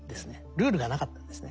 ルールがなかったんですね。